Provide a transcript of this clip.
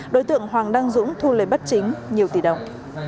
đối tượng hoàng đăng dũng thu lời bất chính nhiều tỷ đồng